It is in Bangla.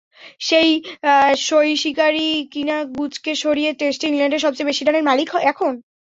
সেই সইশিকারিই কিনা গুচকে সরিয়ে টেস্টে ইংল্যান্ডের সবচেয়ে বেশি রানের মালিক এখন।